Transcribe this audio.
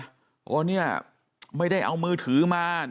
อ๋อเนี่ยไม่ได้เอามือถือมา